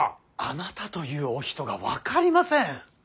あなたというお人が分かりません。